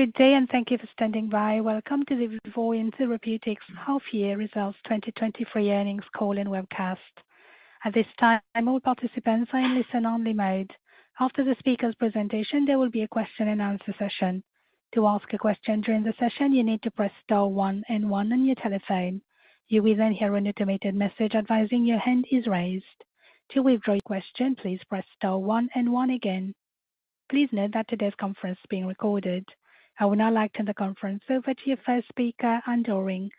Good day, and thank you for standing by. Welcome to the Vivoryon Therapeutics Half Year Results 2023 Earnings Call and Webcast. At this time, all participants are in listen-only mode. After the speaker's presentation, there will be a question and answer session. To ask a question during the session, you need to press star one and one on your telephone. You will then hear an automated message advising your hand is raised. To withdraw your question, please press star one and one again. Please note that today's conference is being recorded. I would now like to turn the conference over to your first speaker, Anne Doering,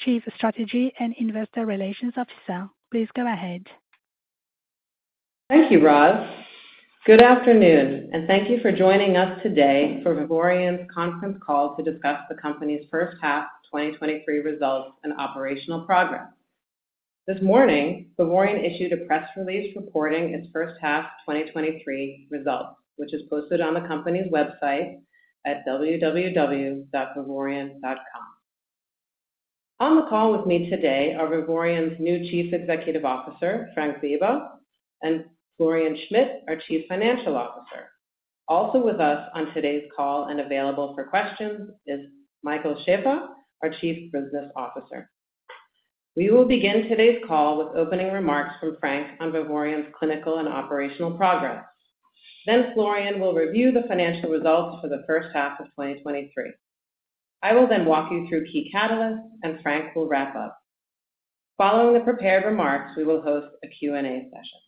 Chief Strategy and Investor Relations Officer. Please go ahead. Thank you, Roz. Good afternoon, and thank you for joining us today for Vivoryon's conference call to discuss the company's first half 2023 results and operational progress. This morning, Vivoryon issued a press release reporting its first half 2023 results, which is posted on the company's website at www.vivoryon.com. On the call with me today are Vivoryon's new Chief Executive Officer, Frank Weber, and Florian Schmid, our Chief Financial Officer. Also with us on today's call and available for questions is Michael Schaeffer, our Chief Business Officer. We will begin today's call with opening remarks from Frank on Vivoryon's clinical and operational progress. Then Florian will review the financial results for the first half of 2023. I will then walk you through key catalysts, and Frank will wrap up. Following the prepared remarks, we will host a Q&A session.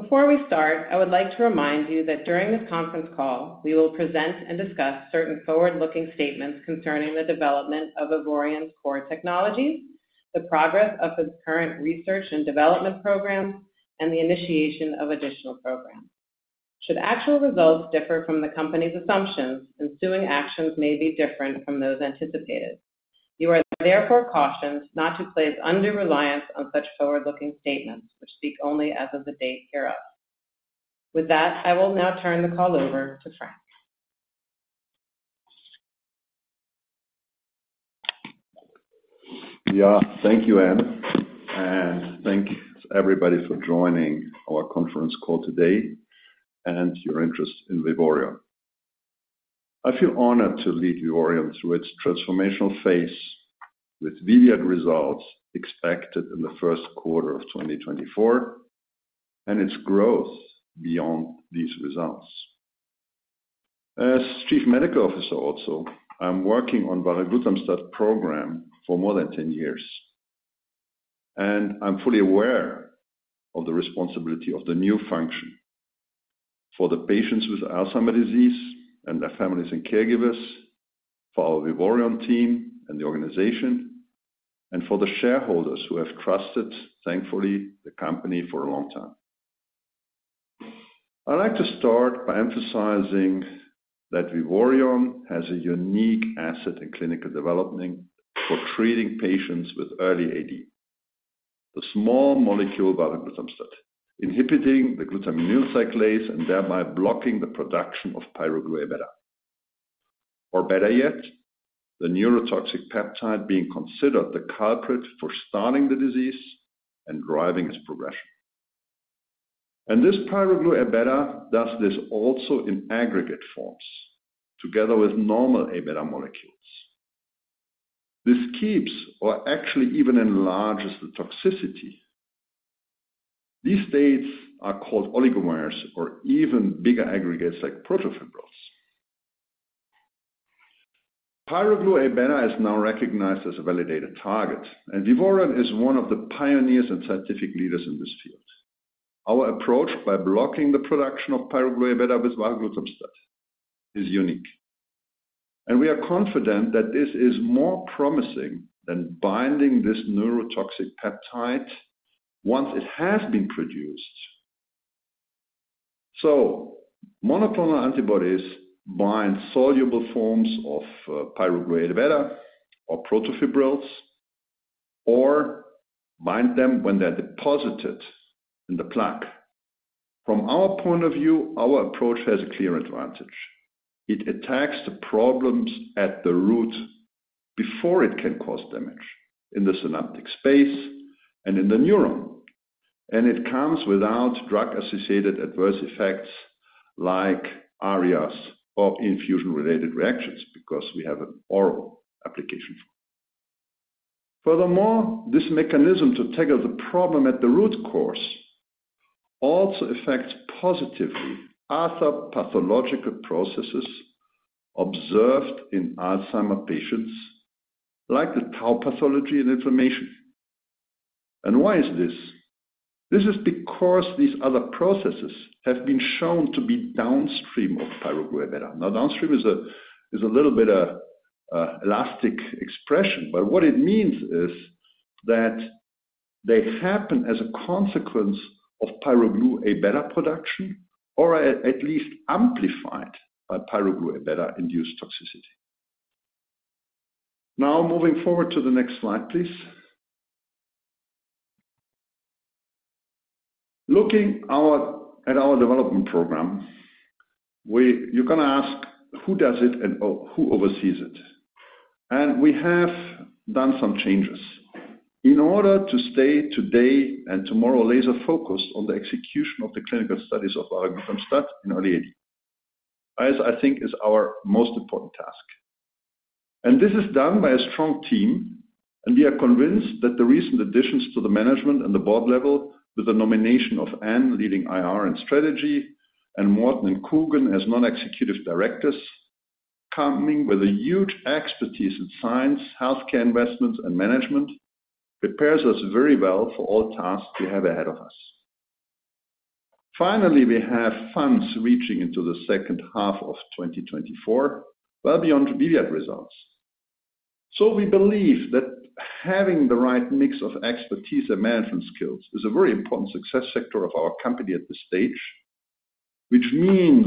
Before we start, I would like to remind you that during this conference call, we will present and discuss certain forward-looking statements concerning the development of Vivoryon's core technologies, the progress of its current research and development programs, and the initiation of additional programs. Should actual results differ from the company's assumptions, ensuing actions may be different from those anticipated. You are therefore cautioned not to place undue reliance on such forward-looking statements, which speak only as of the date hereof. With that, I will now turn the call over to Frank. Yeah, thank you, Anne, and thank you everybody for joining our conference call today and your interest in Vivoryon. I feel honored to lead Vivoryon through its transformational phase, with VIVIAD results expected in the first quarter of 2024 and its growth beyond these results. As Chief Medical Officer also, I'm working on varoglutamstat program for more than 10 years, and I'm fully aware of the responsibility of the new function for the patients with Alzheimer's disease and their families and caregivers, for our Vivoryon team and the organization, and for the shareholders who have trusted, thankfully, the company for a long time. I'd like to start by emphasizing that Vivoryon has a unique asset in clinical development for treating patients with early AD. The small molecule varoglutamstat inhibiting the glutaminyl cyclase and thereby blocking the production of pyroglu-Abeta. Or better yet, the neurotoxic peptide being considered the culprit for starting the disease and driving its progression. And this pyroglu-Abeta does this also in aggregate forms, together with normal Abeta molecules. This keeps or actually even enlarges the toxicity. These states are called oligomers or even bigger aggregates like protofibrils. Pyroglu-Abeta is now recognized as a validated target, and Vivoryon is one of the pioneers and scientific leaders in this field. Our approach by blocking the production of pyroglu-Abeta with varoglutamstat is unique, and we are confident that this is more promising than binding this neurotoxic peptide once it has been produced. So monoclonal antibodies bind soluble forms of pyroglu-Abeta or protofibrils, or bind them when they're deposited in the plaque. From our point of view, our approach has a clear advantage. It attacks the problems at the root before it can cause damage in the synaptic space and in the neuron. It comes without drug-associated adverse effects like ARIA or infusion-related reactions, because we have an oral application. Furthermore, this mechanism to tackle the problem at the root cause also affects positively other pathological processes observed in Alzheimer's patients, like the tau pathology and inflammation. Why is this? This is because these other processes have been shown to be downstream of pyroglu-Abeta. Now, downstream is a little bit of elastic expression, but what it means is that they happen as a consequence of pyroglu-Abeta production, or at least amplified by pyroglu-Abeta-induced toxicity. Now, moving forward to the next slide, please. Looking at our development program, we're gonna ask, who does it and, or who oversees it? And we have done some changes. In order to stay today and tomorrow laser focused on the execution of the clinical studies of varoglutamstat in early AD, as I think is our most important task. And this is done by a strong team, and we are convinced that the recent additions to the management and the board level, with the nomination of Anne leading IR and strategy, and Morten and Kugan as non-executive directors, coming with a huge expertise in science, healthcare, investment, and management, prepares us very well for all tasks we have ahead of us. Finally, we have funds reaching into the second half of 2024, well beyond VIVIAD results. So we believe that having the right mix of expertise and management skills is a very important success factor of our company at this stage, which means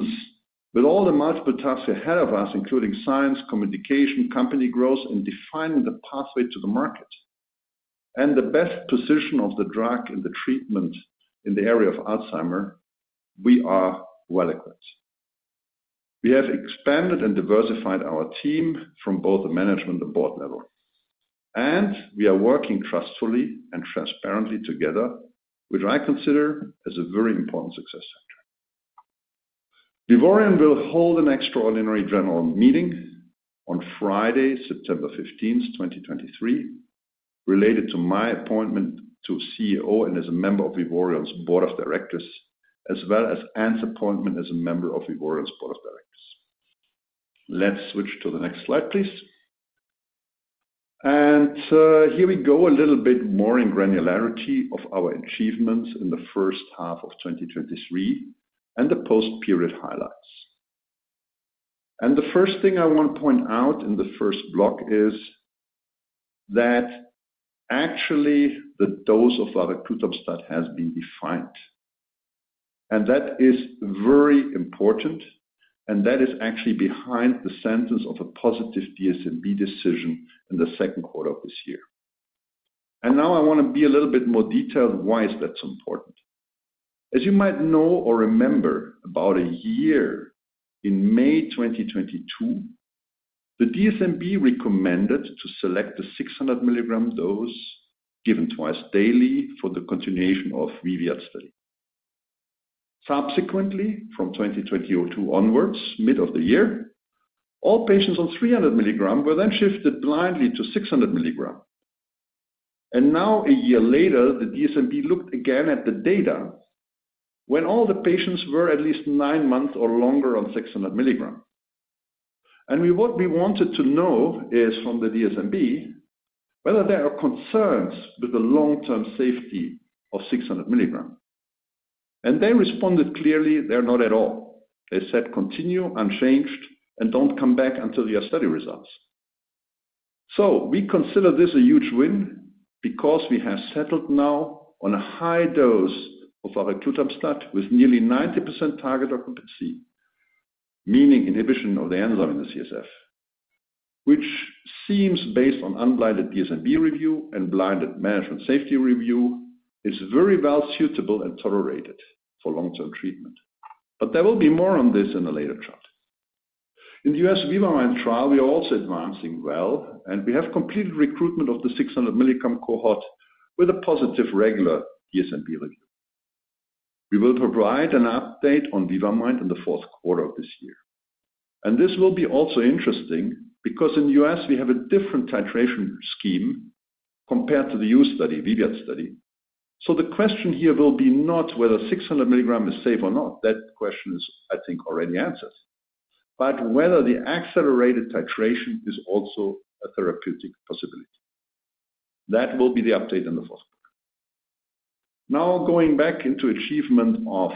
with all the multiple tasks ahead of us, including science, communication, company growth, and defining the pathway to the market, and the best position of the drug in the treatment in the area of Alzheimer's, we are well equipped. We have expanded and diversified our team from both the management and board level, and we are working trustfully and transparently together, which I consider as a very important success factor. Vivoryon will hold an extraordinary general meeting on Friday, September 15th, 2023, related to my appointment as CEO and as a member of Vivoryon's board of directors, as well as Anne's appointment as a member of Vivoryon's board of directors. Let's switch to the next slide, please. Here we go a little bit more in granularity of our achievements in the first half of 2023, and the post-period highlights. The first thing I want to point out in the first block is that actually, the dose of varoglutamstat has been defined, and that is very important, and that is actually behind the essence of a positive DSMB decision in the second quarter of this year. Now I want to be a little bit more detailed why that's important. As you might know or remember, about a year in May 2022, the DSMB recommended to select the 600 milligram dose, given twice daily, for the continuation of VIVIAD study. Subsequently, from 2022 onwards, mid of the year, all patients on 300 milligram were then shifted blindly to 600 milligram. Now, a year later, the DSMB looked again at the data when all the patients were at least 9 months or longer on 600 milligram. And what we wanted to know is from the DSMB, whether there are concerns with the long-term safety of 600 milligram. And they responded clearly, there are not at all. They said, "Continue unchanged and don't come back until your study results." So we consider this a huge win because we have settled now on a high dose of varoglutamstat with nearly 90% target occupancy, meaning inhibition of the enzyme in the CSF, which seems based on unblinded DSMB review and blinded management safety review, is very well suitable and tolerated for long-term treatment. But there will be more on this in a later chart. In the US VIVA-MIND trial, we are also advancing well, and we have completed recruitment of the 600 milligram cohort with a positive, regular DSMB review. We will provide an update on VIVA-MIND in the fourth quarter of this year. This will be also interesting because in the US, we have a different titration scheme compared to the EU study, VIVIAD study. The question here will be not whether 600 milligram is safe or not. That question is, I think, already answered. But whether the accelerated titration is also a therapeutic possibility. That will be the update in the fourth quarter. Now, going back into achievement of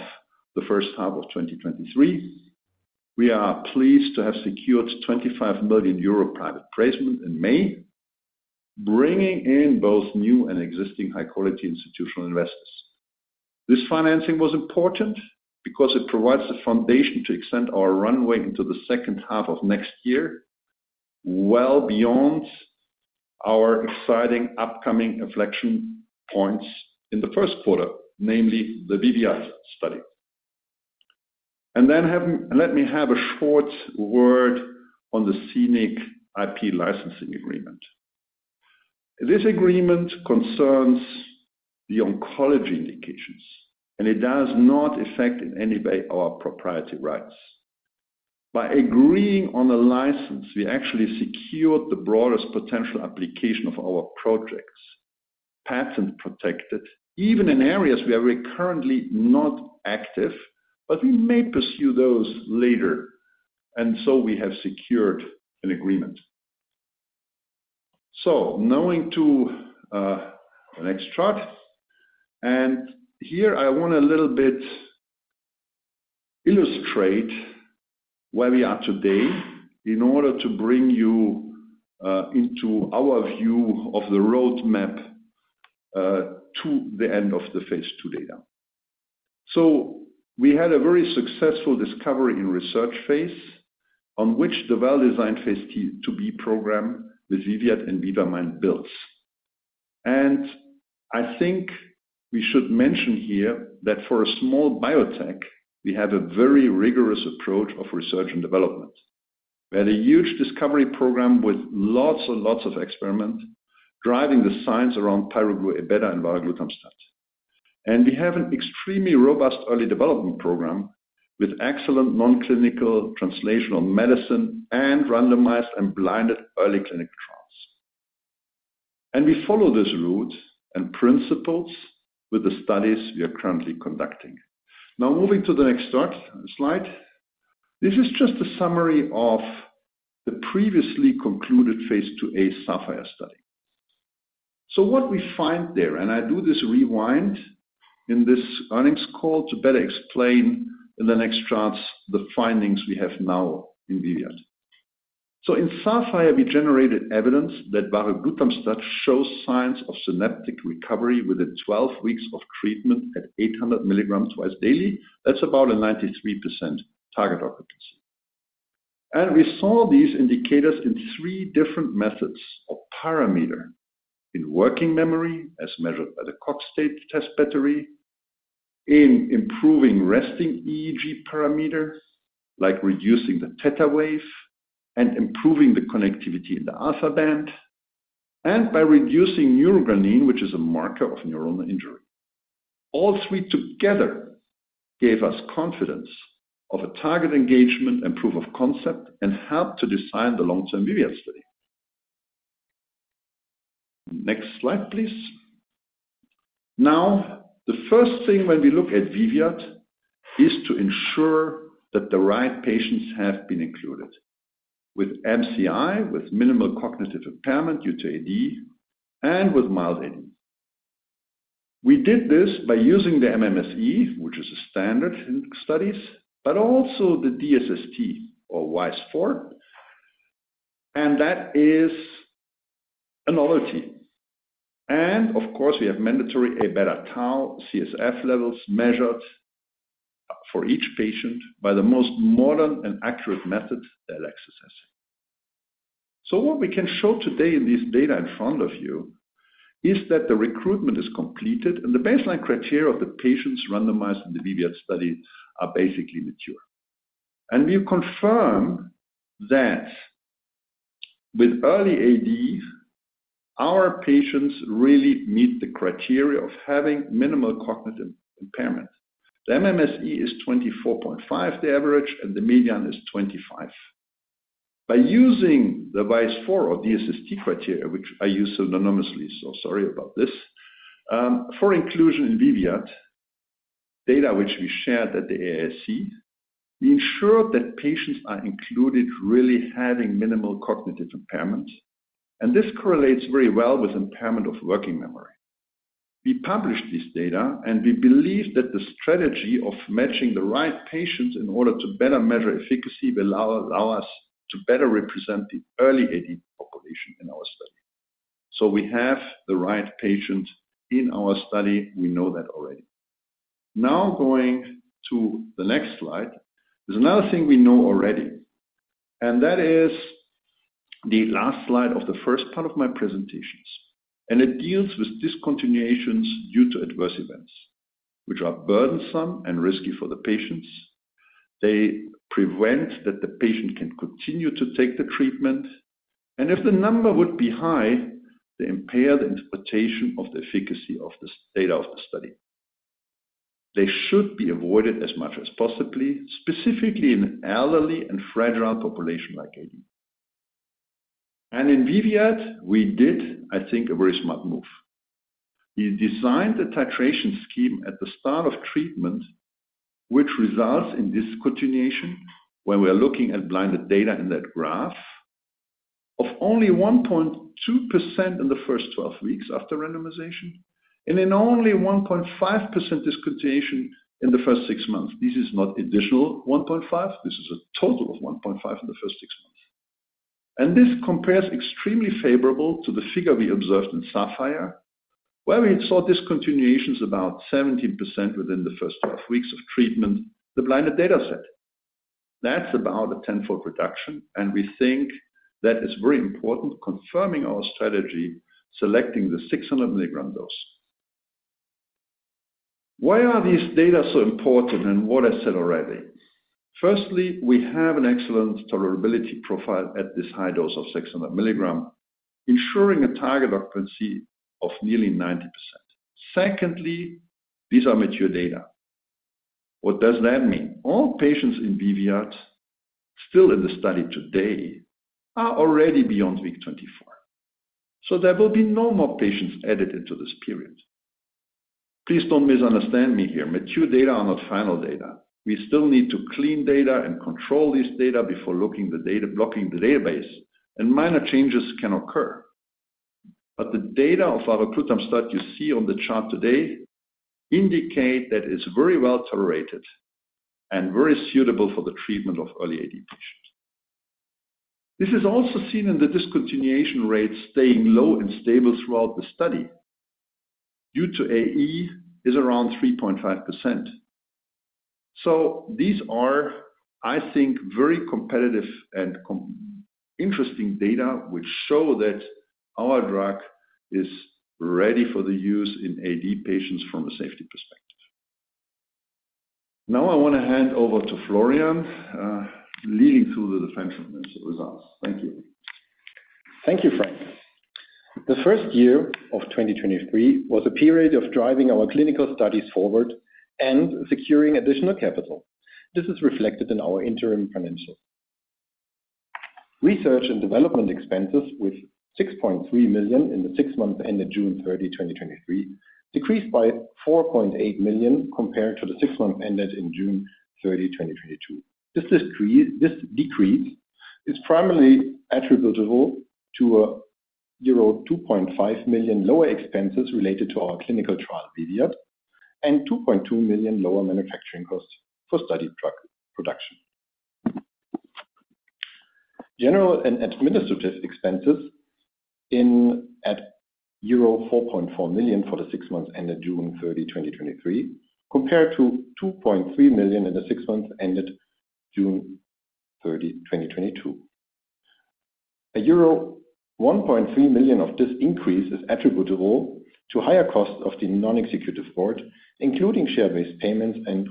the first half of 2023, we are pleased to have secured 25 million euro private placement in May, bringing in both new and existing high-quality institutional investors. This financing was important because it provides the foundation to extend our runway into the second half of next year, well beyond our exciting upcoming inflection points in the first quarter, namely the VIVIAD study. And then have, let me have a short word on the Scenic IP licensing agreement. This agreement concerns the oncology indications, and it does not affect in any way our proprietary rights. By agreeing on a license, we actually secured the broadest potential application of our projects, patent protected, even in areas we are currently not active, but we may pursue those later, and so we have secured an agreement. So now into, the next chart, and here I want a little bit illustrate where we are today in order to bring you, into our view of the roadmap, to the end of the phase two data. So we had a very successful discovery in research phase, on which the well-designed phase IIb program, with VIVIAD and VIVA-MIND builds.... And I think we should mention here that for a small biotech, we have a very rigorous approach of research and development. We had a huge discovery program with lots and lots of experiments, driving the science around pyroglu-Abeta and varoglutamstat. And we have an extremely robust early development program with excellent non-clinical translational medicine and randomized and blinded early clinical trials. And we follow this route and principles with the studies we are currently conducting. Now, moving to the next chart, slide. This is just a summary of the previously concluded phase IIa SAPHIR study. So what we find there, and I do this rewind in this earnings call to better explain in the next charts, the findings we have now in VIVIAD. So in SAPHIR, we generated evidence that varoglutamstat shows signs of synaptic recovery within 12 weeks of treatment at 800 milligrams twice daily. That's about a 93% target occupancy. And we saw these indicators in three different methods or parameters: in working memory, as measured by the Cogstate Test Battery, in improving resting EEG parameters, like reducing the theta wave and improving the connectivity in the alpha band, and by reducing neurogranin, which is a marker of neuronal injury. All three together gave us confidence of a target engagement and proof of concept, and helped to design the long-term VIVIAD study. Next slide, please. Now, the first thing when we look at VIVIAD, is to ensure that the right patients have been included with MCI, with mild cognitive impairment due to AD, and with mild AD. We did this by using the MMSE, which is a standard in studies, but also the DSST or WAIS-IV, and that is a novelty. And of course, we have mandatory Abeta/Tau CSF levels measured for each patient by the most modern and accurate methods, the Elecsys. So what we can show today in this data in front of you is that the recruitment is completed, and the baseline criteria of the patients randomized in the VIVIAD study are basically mature. And we confirm that with early AD, our patients really meet the criteria of having minimal cognitive impairment. The MMSE is 24.5, the average, and the median is 25. By using the WAIS-IV or DSST criteria, which I use synonymously, so sorry about this. For inclusion in VIVIAD, data which we shared at the AAIC, we ensured that patients are included really having minimal cognitive impairment, and this correlates very well with impairment of working memory. We published this data, and we believe that the strategy of matching the right patients in order to better measure efficacy, will allow, allow us to better represent the early AD population in our study. So we have the right patient in our study, we know that already. Now, going to the next slide. There's another thing we know already, and that is the last slide of the first part of my presentations, and it deals with discontinuations due to adverse events, which are burdensome and risky for the patients. They prevent that the patient can continue to take the treatment, and if the number would be high, they impair the interpretation of the efficacy of this data of the study. They should be avoided as much as possibly, specifically in elderly and fragile population like AD. In VIVIAD, we did, I think, a very smart move. We designed the titration scheme at the start of treatment, which results in discontinuation when we are looking at blinded data in that graph of only 1.2% in the first 12 weeks after randomization, and in only 1.5% discontinuation in the first 6 months. This is not additional one point five, this is a total of 1.5% in the first 6 months. This compares extremely favorable to the figure we observed in SAPHIR, where we saw discontinuations about 17% within the first 12 weeks of treatment, the blinded data set. That's about a tenfold reduction, and we think that is very important, confirming our strategy, selecting the 600 milligram dose. Why are these data so important, and what I said already? Firstly, we have an excellent tolerability profile at this high dose of 600 milligram, ensuring a target occupancy of nearly 90%. Secondly, these are mature data. What does that mean? All patients in VIVIAD, still in the study today, are already beyond week 24, so there will be no more patients added into this period. Please don't misunderstand me here. Mature data are not final data. We still need to clean data and control this data before looking at the data, blocking the database, and minor changes can occur. But the data of our varoglutamstat you see on the chart today indicate that it's very well tolerated and very suitable for the treatment of early AD patients. This is also seen in the discontinuation rate, staying low and stable throughout the study, due to AE is around 3.5%.... So these are, I think, very competitive and interesting data, which show that our drug is ready for the use in AD patients from a safety perspective. Now I want to hand over to Florian, leading through the financial results. Thank you. Thank you, Frank. The first year of 2023 was a period of driving our clinical studies forward and securing additional capital. This is reflected in our interim financials. Research and development expenses with 6.3 million in the six months ended June 30, 2023, decreased by 4.8 million compared to the six months ended in June 30, 2022. This decrease is primarily attributable to a euro 2.5 million lower expenses related to our clinical trial, VIVIAD, and 2.2 million lower manufacturing costs for study drug production. General and administrative expenses in at euro 4.4 million for the six months ended June 30, 2023, compared to 2.3 million in the six months ended June 30, 2022. Euro 1.3 million of this increase is attributable to higher costs of the non-executive board, including share-based payments and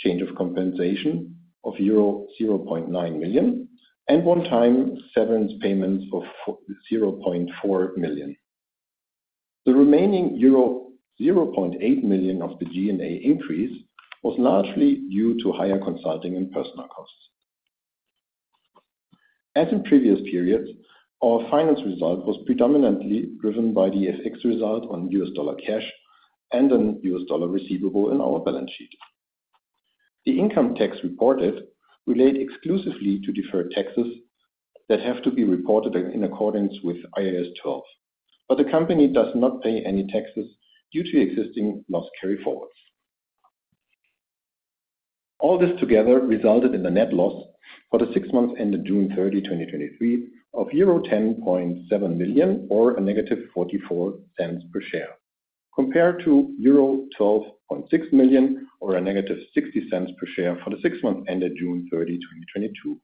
change of compensation of euro 0.9 million, and one-time severance payments of 0.4 million. The remaining euro 0.8 million of the G&A increase was largely due to higher consulting and personnel costs. As in previous periods, our finance result was predominantly driven by the FX result on US dollar cash and the US dollar receivable in our balance sheet. The income tax reported related exclusively to deferred taxes that have to be reported in accordance with IAS 12, but the company does not pay any taxes due to existing loss carryforwards. All this together resulted in a net loss for the six months ended June 30, 2023, of euro 10.7 million, or -0.44 per share, compared to euro 12.6 million or -0.60 per share for the six months ended June 30, 2022.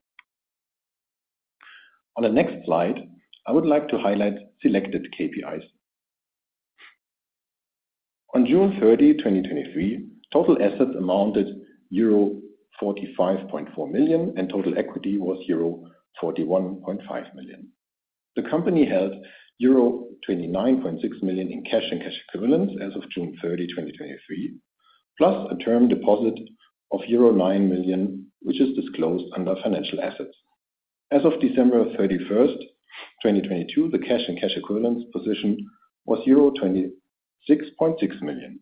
On the next slide, I would like to highlight selected KPIs. On June 30, 2023, total assets amounted euro 45.4 million, and total equity was euro 41.5 million. The company held euro 29.6 million in cash and cash equivalents as of June 30, 2023, plus a term deposit of euro 9 million, which is disclosed under financial assets. As of December 31, 2022, the cash and cash equivalents position was euro 26.6 million.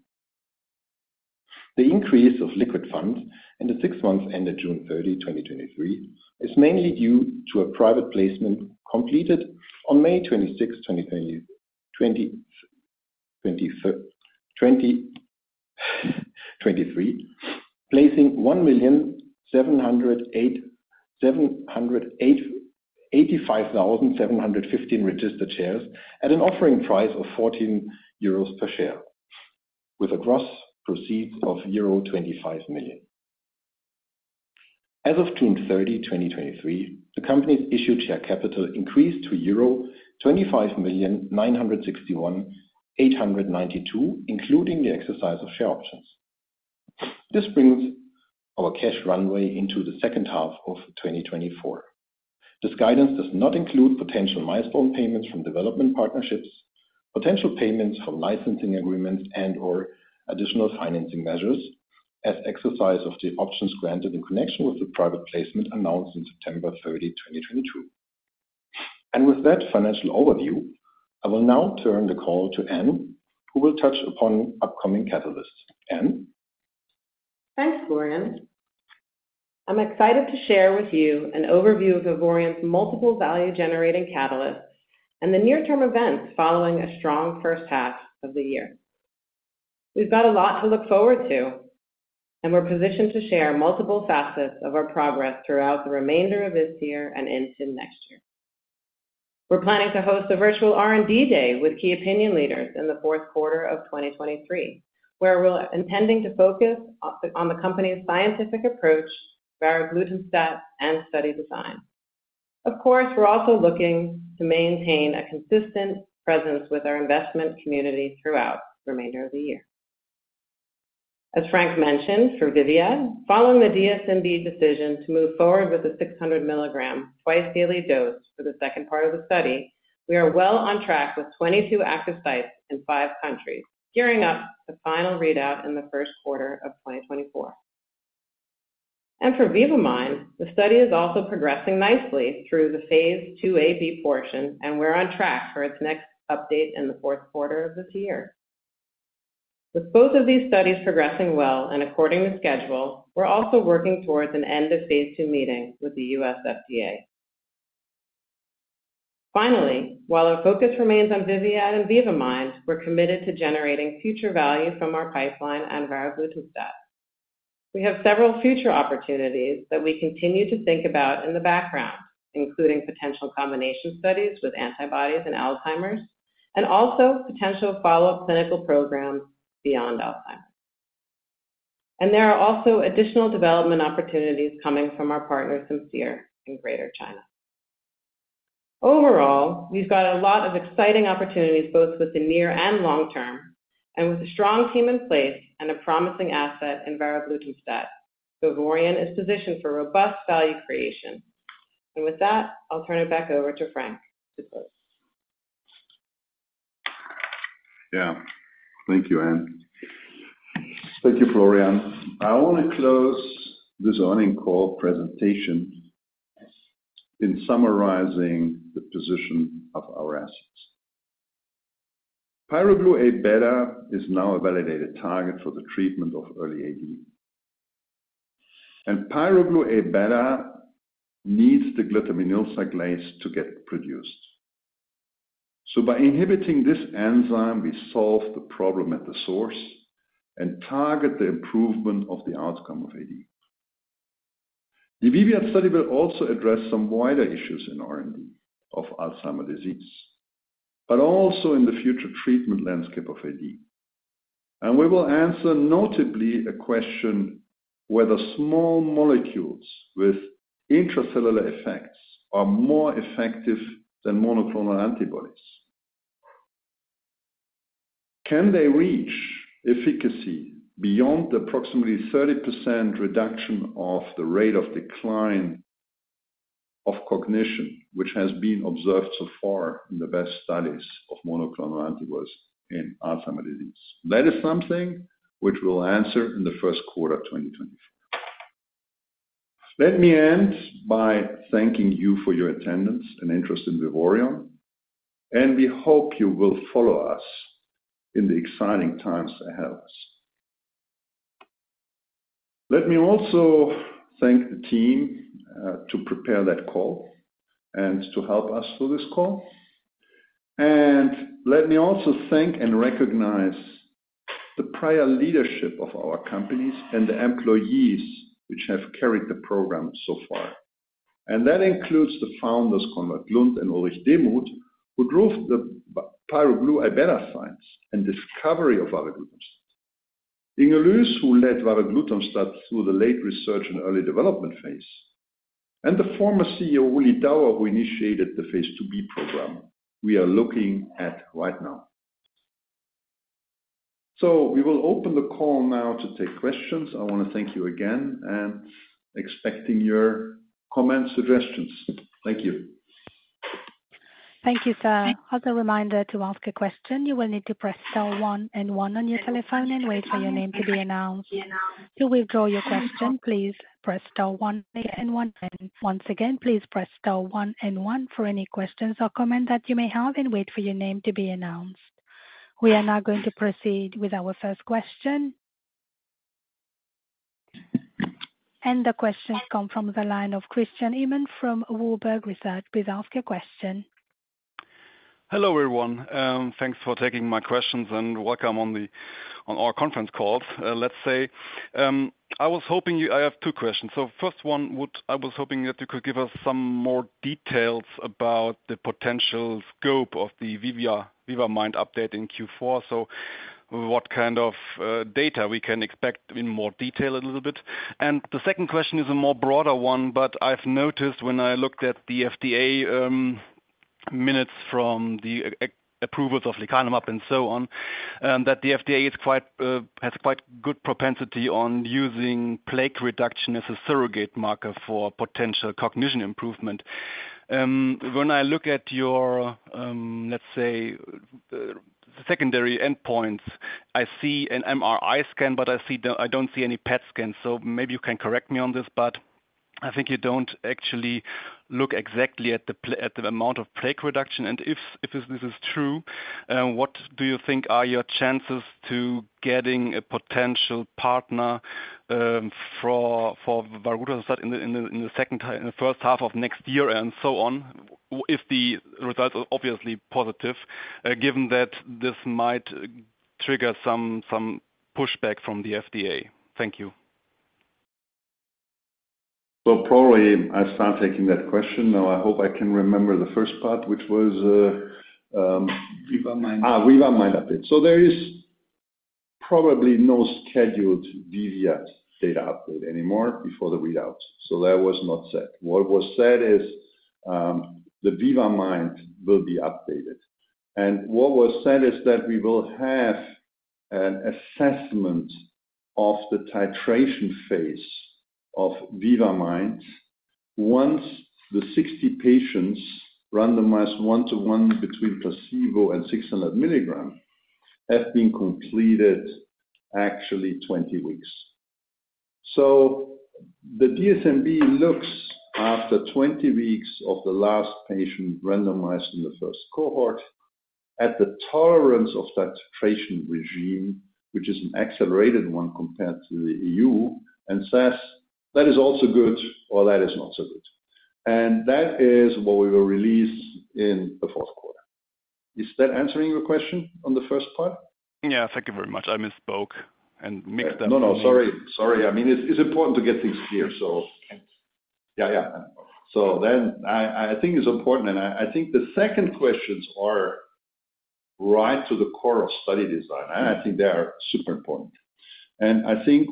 The increase of liquid funds in the six months ended June 30, 2023, is mainly due to a private placement completed on May 26, 2023, placing 1,708,785 registered shares at an offering price of 14 euros per share, with gross proceeds of euro 25 million. As of June 30, 2023, the company's issued share capital increased to euro 25,961,892, including the exercise of share options. This brings our cash runway into the second half of 2024. This guidance does not include potential milestone payments from development partnerships, potential payments from licensing agreements, and/or additional financing measures as exercise of the options granted in connection with the private placement announced in September 30, 2022. With that financial overview, I will now turn the call to Anne, who will touch upon upcoming catalysts. Anne? Thanks, Florian. I'm excited to share with you an overview of Vivoryon's multiple value-generating catalysts and the near-term events following a strong first half of the year. We've got a lot to look forward to, and we're positioned to share multiple facets of our progress throughout the remainder of this year and into next year. We're planning to host a virtual R&D day with key opinion leaders in the fourth quarter of 2023, where we're intending to focus on the company's scientific approach, varoglutamstat, and study design. Of course, we're also looking to maintain a consistent presence with our investment community throughout the remainder of the year. As Frank mentioned, for VIVIAD, following the DSMB decision to move forward with the 600 milligrams twice-daily dose for the second part of the study, we are well on track with 22 active sites in five countries, gearing up the final readout in the first quarter of 2024. And for VIVA-MIND, the study is also progressing nicely through the phase IIb portion, and we're on track for its next update in the fourth quarter of this year. With both of these studies progressing well and according to schedule, we're also working towards an end of phase II meeting with the U.S. FDA. Finally, while our focus remains on VIVIAD and VIVA-MIND, we're committed to generating future value from our pipeline and varoglutamstat. We have several future opportunities that we continue to think about in the background, including potential combination studies with antibodies and Alzheimer's.... Also potential follow-up clinical programs beyond Alzheimer's. There are also additional development opportunities coming from our partner, Simcere, in Greater China. Overall, we've got a lot of exciting opportunities, both with the near and long term, and with a strong team in place and a promising asset in varoglutamstat, Vivoryon is positioned for robust value creation. With that, I'll turn it back over to Frank to close. Yeah. Thank you, Anne. Thank you, Florian. I want to close this earnings call presentation in summarizing the position of our assets. Pyroglu-Abeta is now a validated target for the treatment of early AD, and pyroglu-Abeta needs the glutaminyl cyclase to get produced. So by inhibiting this enzyme, we solve the problem at the source and target the improvement of the outcome of AD. The VIVIAD study will also address some wider issues in R&D of Alzheimer's disease, but also in the future treatment landscape of AD. And we will answer, notably, a question whether small molecules with intracellular effects are more effective than monoclonal antibodies. Can they reach efficacy beyond the approximately 30% reduction of the rate of decline of cognition, which has been observed so far in the best studies of monoclonal antibodies in Alzheimer's disease? That is something which we'll answer in the first quarter of 2024. Let me end by thanking you for your attendance and interest in Vivoryon, and we hope you will follow us in the exciting times ahead. Let me also thank the team to prepare that call and to help us through this call. Let me also thank and recognize the prior leadership of our company and the employees which have carried the program so far. That includes the founders, Konrad Glund and Ulrich Demuth, who drove the pyroglu-Abeta science and discovery of varoglutamstat. Inge Lues, who led varoglutamstat study through the late research and early development phase, and the former CEO, Ulrich Dauer, who initiated the phase IIb program we are looking at right now. We will open the call now to take questions. I want to thank you again, and expecting your comments, suggestions. Thank you. Thank you, sir. As a reminder, to ask a question, you will need to press star one and one on your telephone and wait for your name to be announced. To withdraw your question, please press star one and one. And once again, please press star one and one for any questions or comments that you may have and wait for your name to be announced. We are now going to proceed with our first question. The question comes from the line of Christian Ehmann from Warburg Research. Please ask your question. Hello, everyone, thanks for taking my questions and welcome to our conference call. I have two questions. I was hoping that you could give us some more details about the potential scope of the VIVIAD, VIVA-MIND update in Q4. So what kind of data we can expect in more detail a little bit? And the second question is a more broader one, but I've noticed when I looked at the FDA minutes from the approval of lecanemab and so on, that the FDA is quite has quite good propensity on using plaque reduction as a surrogate marker for potential cognition improvement. When I look at your, let's say, secondary endpoints, I see an MRI scan, but I see, I don't see any PET scan, so maybe you can correct me on this, but I think you don't actually look exactly at the plaque reduction. And if this is true, what do you think are your chances to getting a potential partner for varoglutamstat in the first half of next year and so on, if the results are obviously positive, given that this might trigger some pushback from the FDA? Thank you. So probably I start taking that question now. I hope I can remember the first part, which was, VIVA Mind. Ah, VIVA-MIND update. So there is probably no scheduled VIVIAD data update anymore before the readout, so that was not said. What was said is, the VIVA-MIND will be updated, and what was said is that we will have an assessment of the titration phase of VIVA-MIND once the 60 patients, randomized 1:1 between placebo and 600 milligrams, have been completed actually 20 weeks. So the DSMB looks after 20 weeks of the last patient randomized in the first cohort, at the tolerance of that titration regime, which is an accelerated one compared to the EU, and says, "That is also good," or, "That is not so good." And that is what we will release in the fourth quarter. Is that answering your question on the first part? Yeah, thank you very much. I misspoke and mixed up- No, no, sorry. Sorry. I mean, it's important to get things clear, so thank you. Yeah, yeah. So then I think it's important, and I think the second questions are right to the core of study design, and I think they are super important. And I think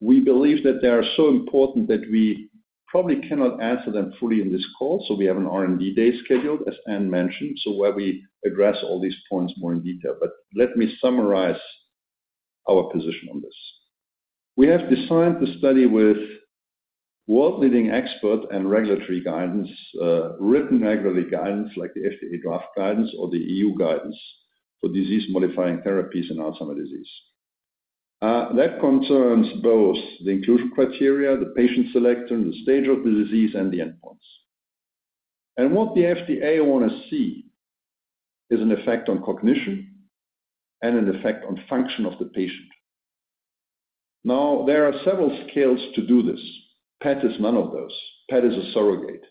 we believe that they are so important that we probably cannot answer them fully in this call, so we have an R&D day scheduled, as Anne mentioned. So where we address all these points more in detail. But let me summarize our position on this. We have designed the study with world-leading expert and regulatory guidance, written regulatory guidance, like the FDA draft guidance or the EU guidance for disease-modifying therapies in Alzheimer's disease. That concerns both the inclusion criteria, the patient selection, the stage of the disease, and the endpoints. And what the FDA want to see is an effect on cognition and an effect on function of the patient. Now, there are several scales to do this. PET is none of those. PET is a surrogate.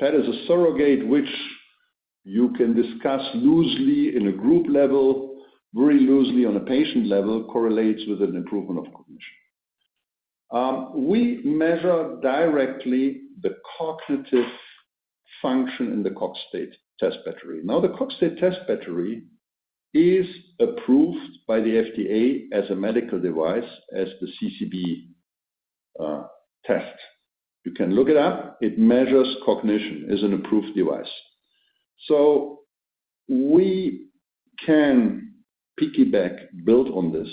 PET is a surrogate which you can discuss loosely in a group level, very loosely on a patient level, correlates with an improvement of cognition. We measure directly the cognitive function in the Cogstate test battery. Now, the Cogstate test battery is approved by the FDA as a medical device, as the CCB test. You can look it up. It measures cognition, is an approved device. So we can piggyback build on this,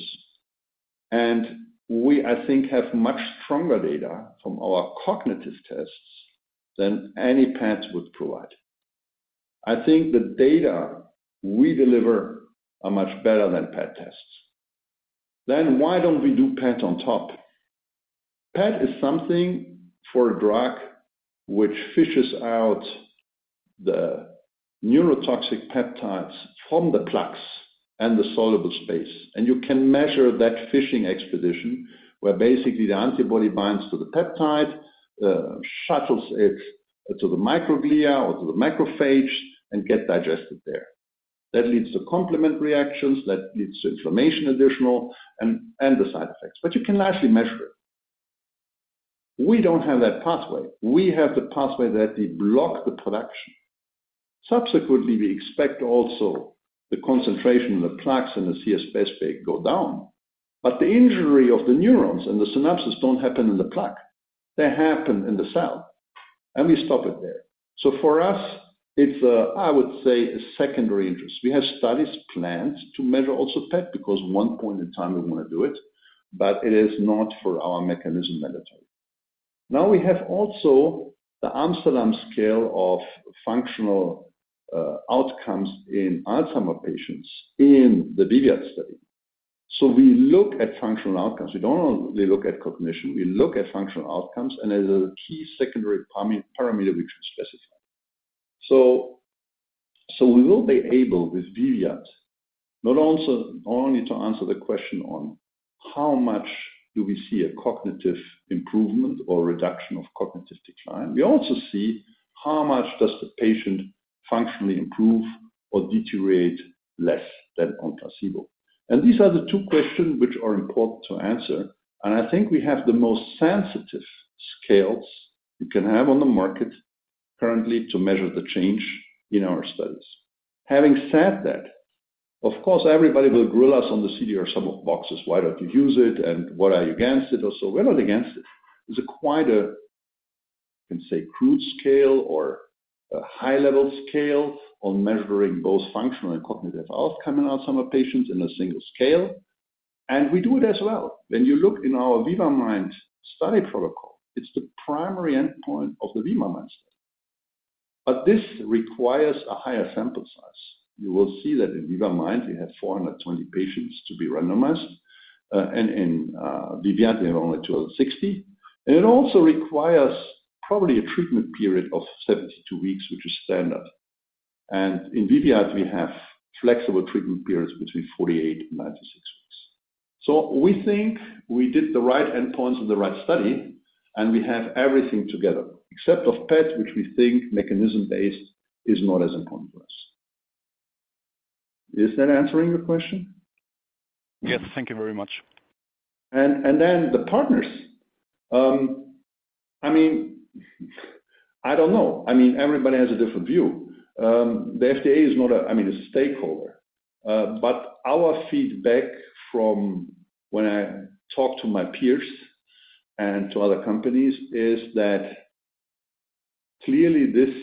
and we, I think, have much stronger data from our cognitive tests than any PETs would provide. I think the data we deliver are much better than PET tests. Then why don't we do PET on top? PET is something for a drug which fishes out the neurotoxic peptides from the plaques and the soluble space, and you can measure that fishing expedition, where basically the antibody binds to the peptide, shuttles it to the microglia or to the macrophage and get digested there. That leads to complement reactions, that leads to inflammation, additional, and, and the side effects, but you can actually measure it. We don't have that pathway. We have the pathway that we block the production. Subsequently, we expect also the concentration of the plaques and the CSF space go down, but the injury of the neurons and the synapses don't happen in the plaque. They happen in the cell, and we stop it there. So for us, it's, I would say, a secondary interest. We have studies planned to measure also PET, because one point in time we want to do it, but it is not for our mechanism mandatory. Now we have also the Amsterdam scale of functional outcomes in Alzheimer patients in the VIVIAD study. So we look at functional outcomes. We don't only look at cognition, we look at functional outcomes, and as a key secondary parameter, which we specify. So, so we will be able with VIVIAD not only to answer the question on how much do we see a cognitive improvement or reduction of cognitive decline? We also see how much does the patient functionally improve or deteriorate less than on placebo. And these are the two questions which are important to answer, and I think we have the most sensitive scales you can have on the market currently to measure the change in our studies. Having said that, of course, everybody will grill us on the CDR sum of boxes. Why don't you use it? And what are you against it? Or so we're not against it. It's a quite a, you can say, crude scale or a high-level scale on measuring both functional and cognitive outcome in Alzheimer's patients in a single scale, and we do it as well. When you look in our VIVA-MIND study protocol, it's the primary endpoint of the VIVA-MIND study. But this requires a higher sample size. You will see that in VIVA-MIND, we have 420 patients to be randomized, and in VIVIAD, we have only 260. And it also requires probably a treatment period of 72 weeks, which is standard. And in VIVIAD, we have flexible treatment periods between 48 and 96 weeks. We think we did the right endpoints and the right study, and we have everything together, except of PET, which we think mechanism-based is not as important for us. Is that answering your question? Yes. Thank you very much. And then the partners, I mean, I don't know. I mean, everybody has a different view. The FDA is not a... I mean, a stakeholder, but our feedback from when I talk to my peers and to other companies is that clearly, this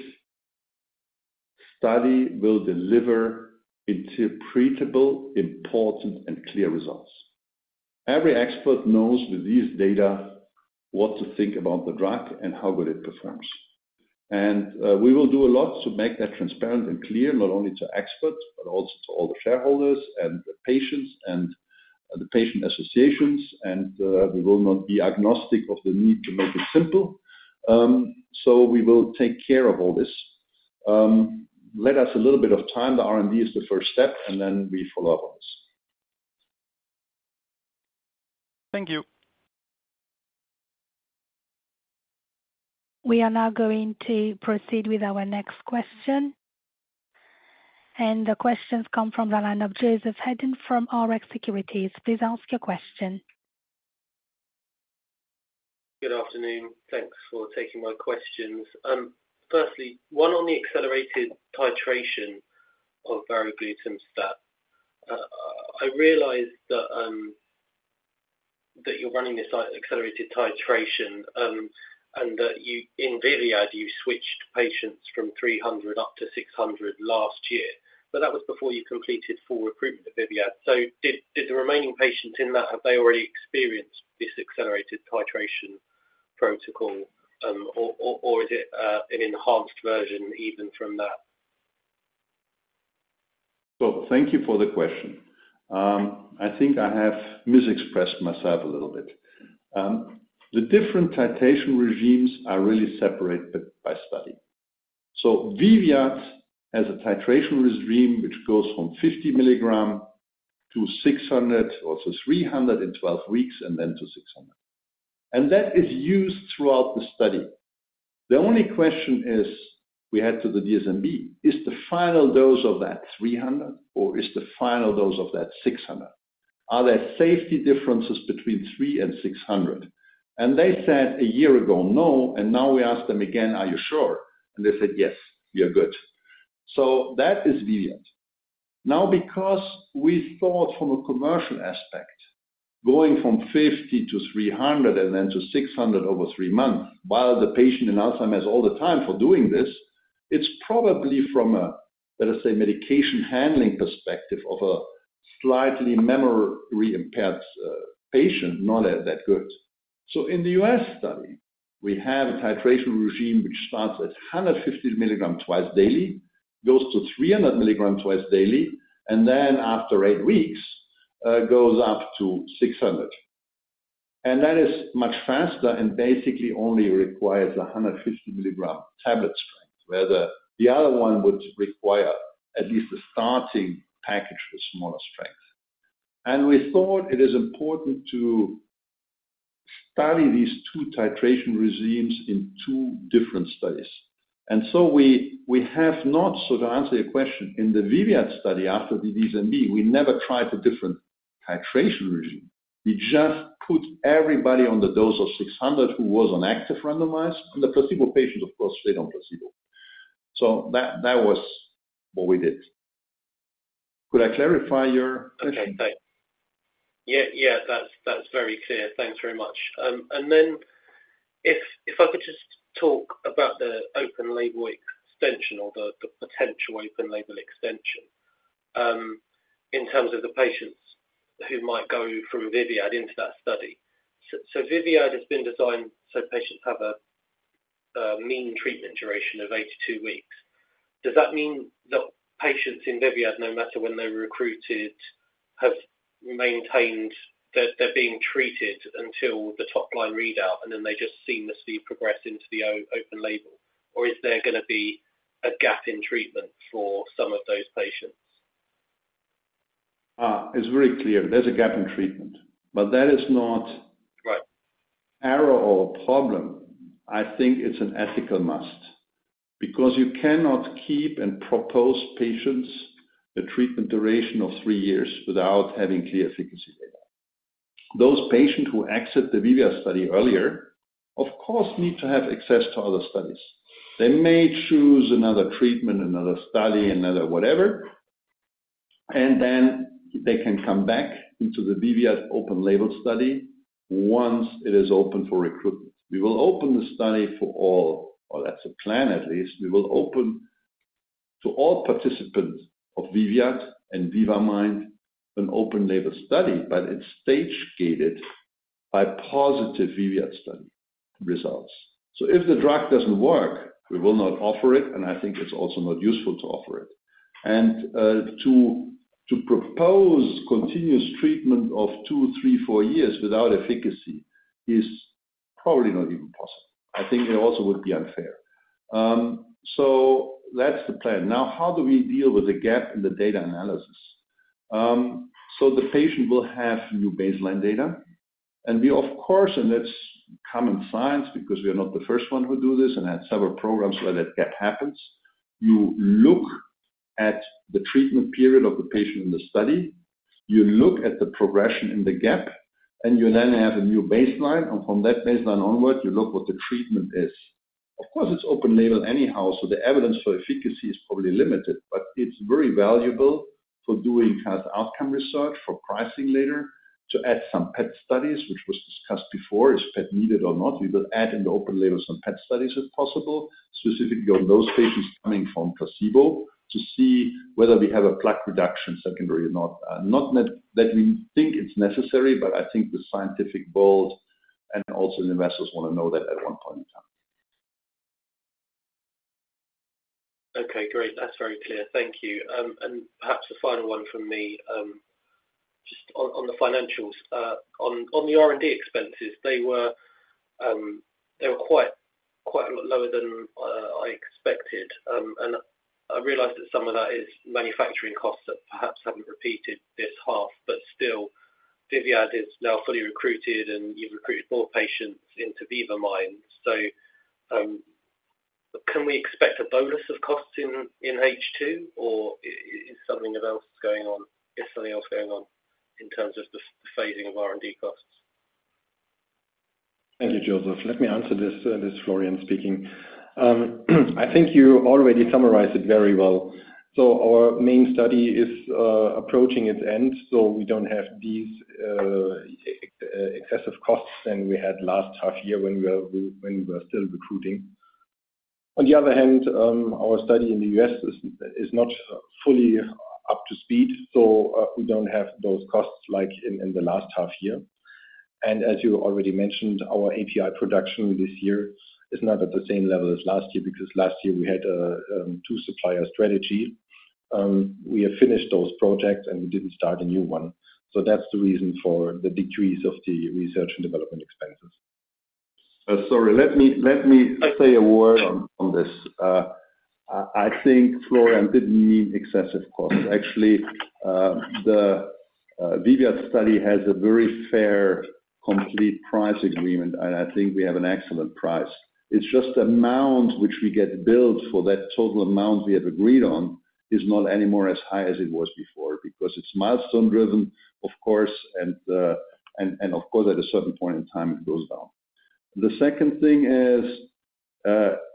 study will deliver interpretable, important, and clear results. Every expert knows with this data, what to think about the drug and how well it performs. And we will do a lot to make that transparent and clear, not only to experts, but also to all the shareholders and the patients and the patient associations, and we will not be agnostic of the need to make it simple. So we will take care of all this. Let us a little bit of time. The R&D is the first step, and then we follow up on this. Thank you. We are now going to proceed with our next question. The questions come from the line of Joseph Hedden from Rx Securities. Please ask your question. Good afternoon. Thanks for taking my questions. Firstly, one on the accelerated titration of varoglutamstat. I realize that you're running this accelerated titration, and that you, in VIVIAD, you switched patients from 300 up to 600 last year, but that was before you completed full recruitment of VIVIAD. So did the remaining patients in that have they already experienced this accelerated titration protocol, or is it an enhanced version even from that? So thank you for the question. I think I have misexpressed myself a little bit. The different titration regimes are really separated by study. So VIVIAD has a titration regime which goes from 50 milligrams to 600, or to 300 in 12 weeks, and then to 600. And that is used throughout the study. The only question is, we had to the DSMB, is the final dose of that 300, or is the final dose of that 600? Are there safety differences between 300 and 600? And they said a year ago, "No." And now we ask them again, "Are you sure?" And they said, "Yes, we are good." So that is VIVIAD. Now, because we thought from a commercial aspect, going from 50 to 300 and then to 600 over three months, while the patient in Alzheimer's all the time for doing this, it's probably from a, let us say, medication handling perspective of a slightly memory-impaired patient, not that good. So in the US study, we have a titration regime which starts at 150 milligrams twice daily, goes to 300 milligrams twice daily, and then after eight weeks goes up to 600. And that is much faster and basically only requires a 150 milligram tablet strength, where the other one would require at least a starting package for smaller strength. And we thought it is important to study these two titration regimes in two different studies. And so we have not... To answer your question, in the VIVIAD study after the DSMB, we never tried a different titration regime. We just put everybody on the dose of 600 who was on active randomized, and the placebo patients, of course, stayed on placebo. That was what we did. Could I clarify your question? Okay, thanks. Yeah, yeah, that's, that's very clear. Thanks very much. And then if I could just talk about the open label extension or the potential open label extension, in terms of the patients who might go from VIVIAD into that study. So VIVIAD has been designed so patients have a mean treatment duration of 82 weeks. Does that mean that patients in VIVIAD, no matter when they're recruited, have maintained that they're being treated until the top-line readout, and then they just seamlessly progress into the open label? Or is there going to be a gap in treatment for some of those patients? Ah, it's very clear there's a gap in treatment, but that is not- Right... error or problem. I think it's an ethical must, because you cannot keep and propose patients a treatment duration of three years without having clear efficacy data. Those patients who exit the VIVIAD study earlier, of course, need to have access to other studies. They may choose another treatment, another study, another whatever, and then they can come back into the VIVIAD open label study once it is open for recruitment. We will open the study for all, or that's the plan at least, we will open to all participants of VIVIAD and VIVA-MIND an open label study, but it's stage-gated by positive VIVIAD study results. So if the drug doesn't work, we will not offer it, and I think it's also not useful to offer it. And, to propose continuous treatment of two, three, four years without efficacy is probably not even possible. I think it also would be unfair. So that's the plan. Now, how do we deal with the gap in the data analysis? So the patient will have new baseline data, and we, of course, and that's common science because we are not the first one who do this and had several programs where that gap happens. You look at the treatment period of the patient in the study, you look at the progression in the gap, and you then have a new baseline, and from that baseline onward, you look what the treatment is. Of course, it's open label anyhow, so the evidence for efficacy is probably limited, but it's very valuable for doing health outcome research, for pricing later, to add some PET studies, which was discussed before. Is PET needed or not? We will add in the open label some PET studies, if possible, specifically on those patients coming from placebo, to see whether we have a plaque reduction, secondary or not. Not that, that we think it's necessary, but I think the scientific world and also the investors want to know that at one point in time. Okay, great. That's very clear. Thank you. And perhaps the final one from me, just on the financials. On the R&D expenses, they were quite a lot lower than I expected. And I realize that some of that is manufacturing costs that perhaps haven't repeated this half, but still, VIVIAD is now fully recruited and you've recruited more patients into VIVA-MIND. So, can we expect a bonus of costs in H2, or is something else going on - is something else going on in terms of the phasing of R&D costs? Thank you, Joseph. Let me answer this, this is Florian speaking. I think you already summarized it very well. So our main study is approaching its end, so we don't have these excessive costs than we had last half year when we were still recruiting. On the other hand, our study in the U.S. is not fully up to speed, so we don't have those costs like in the last half year. And as you already mentioned, our API production this year is not at the same level as last year, because last year we had two supplier strategy. We have finished those projects and we didn't start a new one. So that's the reason for the decrease of the research and development expenses. Sorry. Let me say a word on this. I think Florian didn't mean excessive costs. Actually, the VIVIAD study has a very fair, complete price agreement, and I think we have an excellent price. It's just the amount which we get billed for that total amount we have agreed on is not anymore as high as it was before, because it's milestone-driven, of course, and, of course, at a certain point in time, it goes down. The second thing is,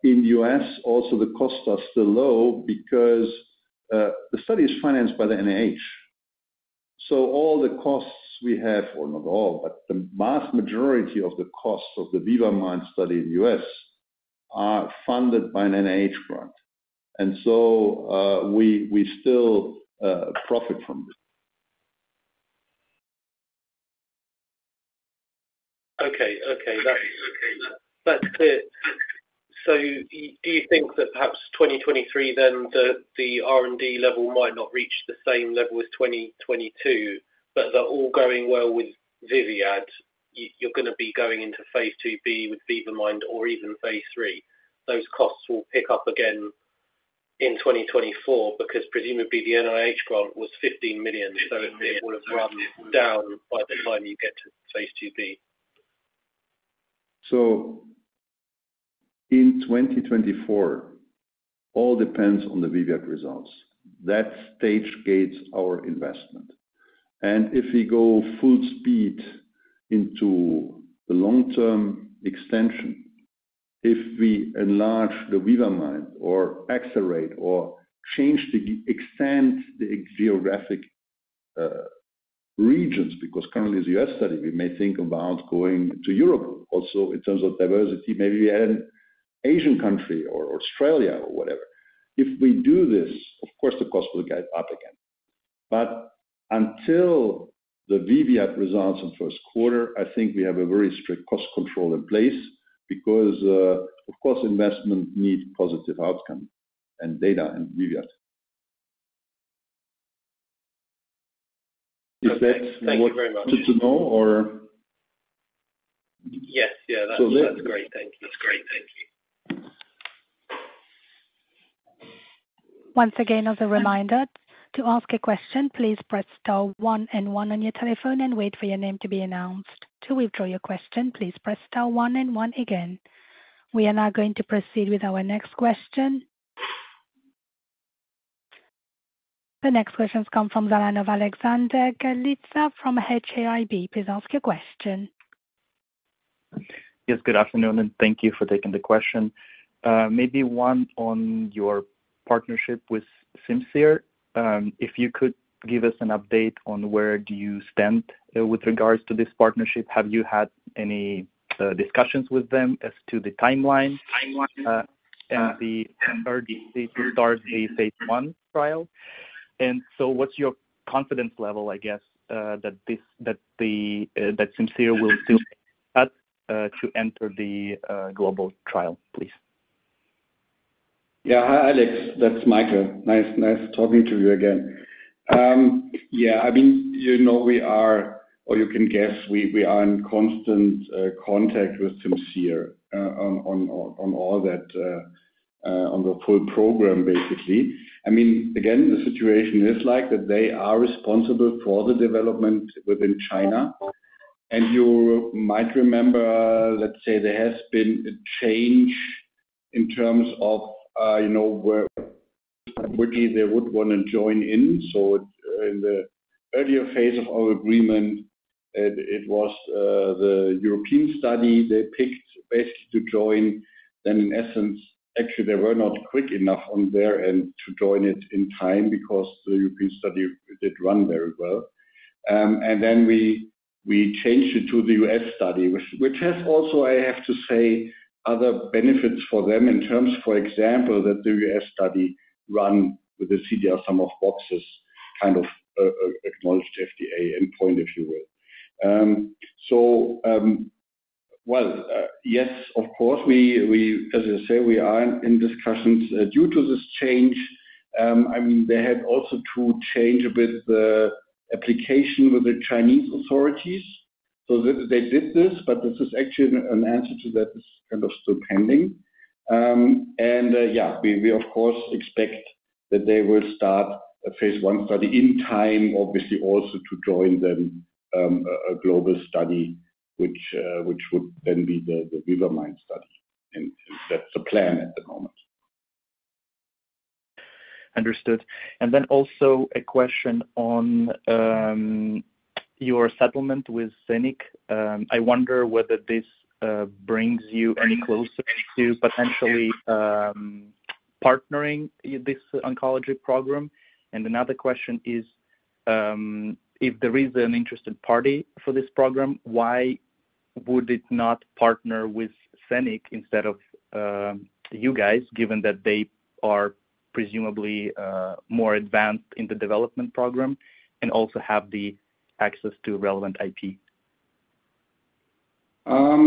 in the US, also, the costs are still low because, the study is financed by the NIH. So all the costs we have, or not all, but the vast majority of the costs of the VIVA-MIND study in the US are funded by an NIH grant, and so, we still profit from this. Okay, that's clear. So do you think that perhaps 2023, then the R&D level might not reach the same level as 2022, but they're all going well with VIVIAD, you're gonna be going into phase IIb with VIVA-MIND or even phase III. Those costs will pick up again in 2024, because presumably, the NIH grant was $15 million, so it will have run down by the time you get to phase IIb. So in 2024, all depends on the VIVIAD results. That stage gates our investment. And if we go full speed into the long-term extension, if we enlarge the VIVA-MIND or accelerate or change the extent, the geographic, regions, because currently it's a US study, we may think about going to Europe also in terms of diversity, maybe an Asian country or Australia or whatever. If we do this, of course, the cost will get up again. But until the VIVIAD results in first quarter, I think we have a very strict cost control in place because, of course, investment needs positive outcome and data in VIVIAD. Is that what you want to know or? Yes. Yeah, that's, that's great. Thank you. That's great. Thank you. Once again, as a reminder, to ask a question, please press star one and one on your telephone and wait for your name to be announced. To withdraw your question, please press star one and one again. We are now going to proceed with our next question. The next question comes from the line of Alexander Galitsa from HAIB. Please ask your question. Yes, good afternoon, and thank you for taking the question. Maybe one on your partnership with Simcere. If you could give us an update on where you stand with regards to this partnership, have you had any discussions with them as to the timeline and the RDC to start a phase one trial? And so what's your confidence level, I guess, that this, that the, that Simcere will still to enter the global trial, please? Yeah. Hi, Alex. That's Michael. Nice, nice talking to you again. Yeah, I mean, you know, we are, or you can guess, we, we are in constant contact with Simcere, on, on, on all that, on the full program, basically. I mean, again, the situation is like that they are responsible for the development within China. And you might remember, let's say, there has been a change in terms of, you know, where quickly they would want to join in. So in the earlier phase of our agreement, it, it was, the European study, they picked best to join. Then in essence, actually, they were not quick enough on their end to join it in time because the European study did run very well. And then we changed it to the US study, which has also, I have to say, other benefits for them in terms, for example, that the US study run with the CDR sum of boxes, kind of, acknowledged FDA endpoint, if you will. So, well, yes, of course, we, as I say, we are in discussions. Due to this change, I mean, they had also to change a bit the application with the Chinese authorities. So they did this, but this is actually an answer to that is kind of still pending. And, yeah, we of course expect that they will start a phase one study in time, obviously, also to join them a global study, which would then be the VIVA-MIND study, and that's the plan at the moment. Understood. And then also a question on your settlement with Scenic. I wonder whether this brings you any closer to potentially partnering this oncology program? And another question is, if there is an interested party for this program, why would it not partner with Scenic instead of you guys, given that they are presumably more advanced in the development program and also have the access to relevant IP?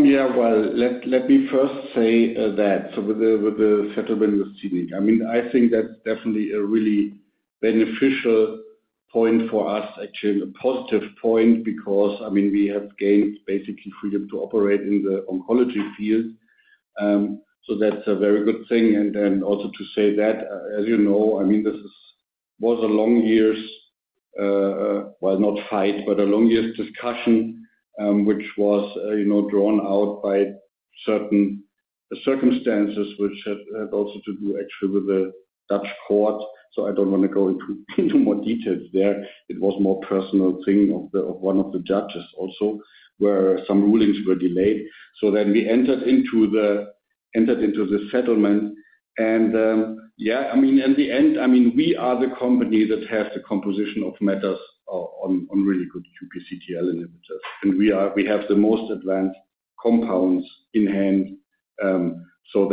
Yeah, well, let me first say that so with the settlement with Scenic, I mean, I think that's definitely a really beneficial point for us, actually, a positive point, because, I mean, we have gained basically freedom to operate in the oncology field. So that's a very good thing. And then also to say that, as you know, I mean, this was a long years discussion, well, not fight, but a long years discussion, which was, you know, drawn out by certain circumstances which had also to do actually with the Dutch court. So I don't want to go into more details there. It was more personal thing of one of the judges also, where some rulings were delayed. So then we entered into the settlement, and, yeah, I mean, in the end, I mean, we are the company that has the composition of matter on really good QPCTL inhibitors, and we are—we have the most advanced compounds in hand. So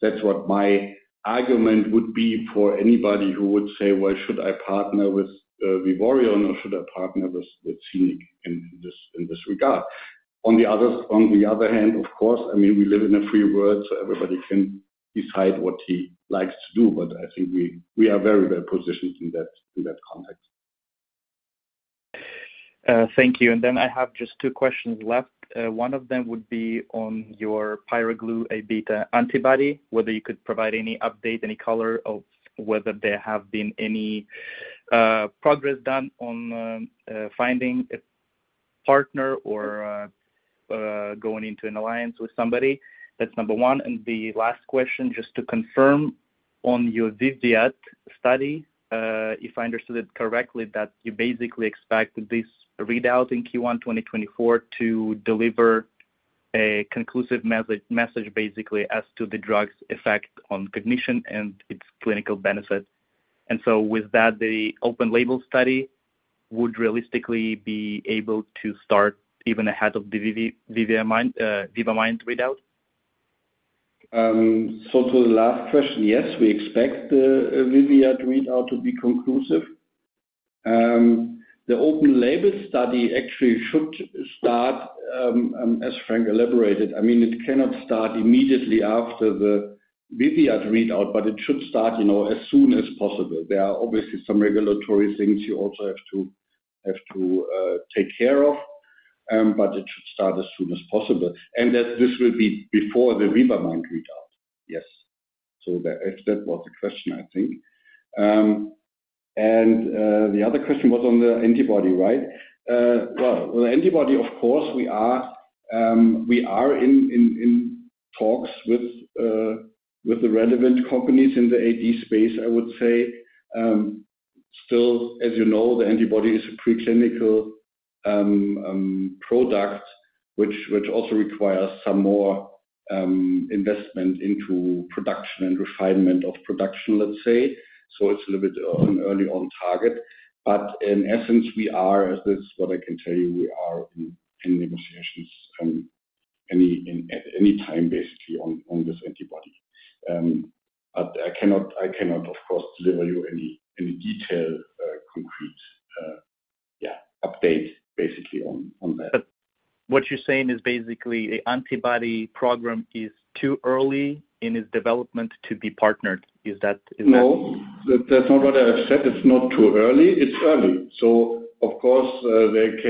that's what my argument would be for anybody who would say, "Why should I partner with Vivoryon, or should I partner with Scenic in this regard?" On the other hand, of course, I mean, we live in a free world, so everybody can decide what he likes to do, but I think we are very well positioned in that context. Thank you. Then I have just two questions left. One of them would be on your pyroglu-Abeta antibody, whether you could provide any update, any color of whether there have been any progress done on finding a partner or going into an alliance with somebody. That's number one. And the last question, just to confirm on your VIVIAD study, if I understood it correctly, that you basically expect this readout in Q1 2024 to deliver a conclusive message, message basically as to the drug's effect on cognition and its clinical benefit. And so with that, the open label study would realistically be able to start even ahead of the VIVIAD, VIVA-MIND, VIVA-MIND readout? So to the last question, yes, we expect the VIVIAD readout to be conclusive. The open label study actually should start, as Frank elaborated, I mean, it cannot start immediately after the VIVIAD readout, but it should start, you know, as soon as possible. There are obviously some regulatory things you also have to, have to, take care of, but it should start as soon as possible. And that this will be before the VIVA-MIND readout. Yes. So if that was the question, I think. And, the other question was on the antibody, right? Well, the antibody, of course, we are, we are in, in, in talks with, with the relevant companies in the AD space, I would say. As you know, the antibody is a preclinical product, which also requires some more investment into production and refinement of production, let's say. It's a little bit an early on target, but in essence, we are, as this what I can tell you, we are in negotiations at any time, basically, on this antibody. I cannot, of course, deliver you any detailed, concrete updates basically on that. But what you're saying is basically the antibody program is too early in its development to be partnered. Is that? No, that's not what I have said. It's not too early, it's early. So of course, there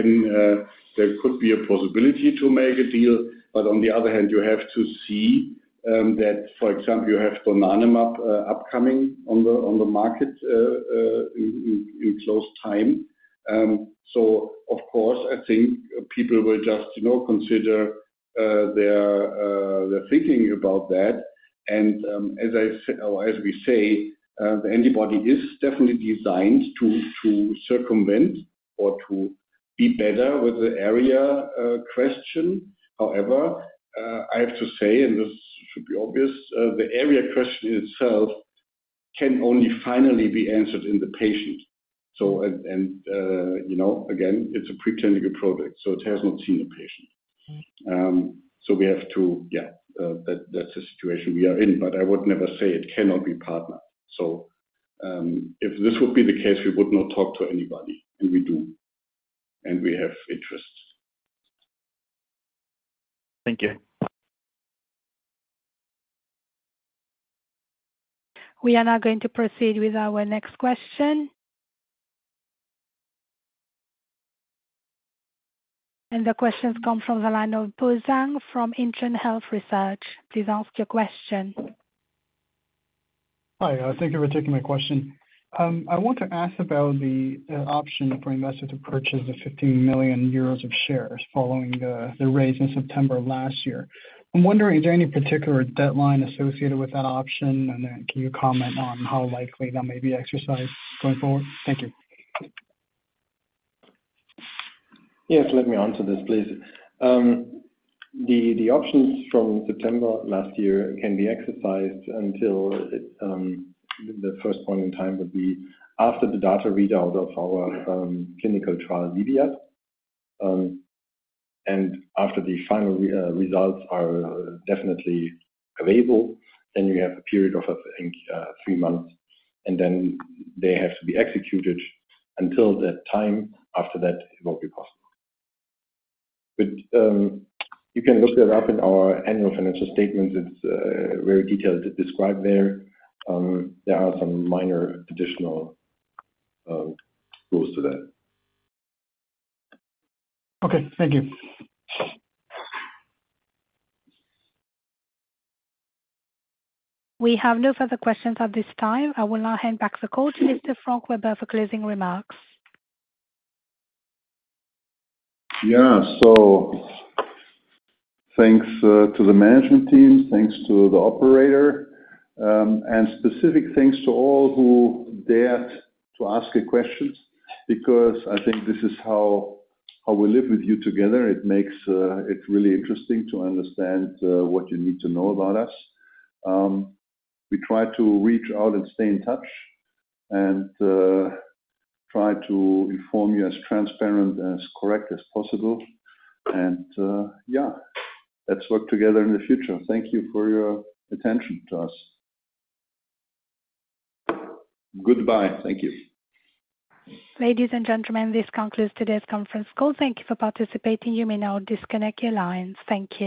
could be a possibility to make a deal, but on the other hand, you have to see that, for example, you have donanemab upcoming on the market in close time. So of course, I think people will just, you know, consider their thinking about that. And, as I said, or as we say, the antibody is definitely designed to circumvent or to be better with the ARIA question. However, I have to say, and this should be obvious, the ARIA question itself can only finally be answered in the patient. So, you know, again, it's a preclinical product, so it has not seen a patient. So we have to, yeah, that's the situation we are in, but I would never say it cannot be partnered. So, if this would be the case, we would not talk to anybody, and we do, and we have interests. Thank you.... We are now going to proceed with our next question. The question comes from the line of Bo Zhang from Intron Health Research. Please ask your question. Hi, thank you for taking my question. I want to ask about the option for investors to purchase the 15 million euros of shares following the raise in September of last year. I'm wondering, is there any particular deadline associated with that option? And then can you comment on how likely that may be exercised going forward? Thank you. Yes, let me answer this, please. The options from September last year can be exercised until the first point in time would be after the data readout of our clinical trial VIVIAD. And after the final results are definitely available, then you have a period of, I think, three months, and then they have to be executed until that time. After that, it won't be possible. But you can look that up in our annual financial statement. It's very detailed described there. There are some minor additional rules to that. Okay. Thank you. We have no further questions at this time. I will now hand back the call to Mr. Frank Weber for closing remarks. Yeah. So thanks to the management team, thanks to the operator, and specific thanks to all who dared to ask your questions, because I think this is how we live with you together. It makes it really interesting to understand what you need to know about us. We try to reach out and stay in touch and try to inform you as transparent and as correct as possible. Yeah, let's work together in the future. Thank you for your attention to us. Goodbye. Thank you. Ladies and gentlemen, this concludes today's conference call. Thank you for participating. You may now disconnect your lines. Thank you.